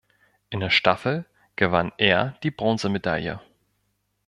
In der Staffel gewann er die Bronzemedaille.